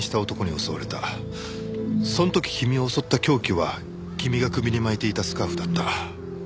その時君を襲った凶器は君が首に巻いていたスカーフだった。